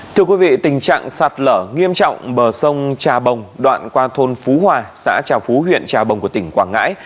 thưa quý vị tình trạng sạt lở nghiêm trọng bờ sông trà bồng đoạn qua thôn phú hòa xã trà phú huyện trà bồng của tỉnh quảng ngãi